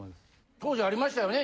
当時ありましたよね